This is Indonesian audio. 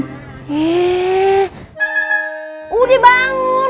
eh udah bangun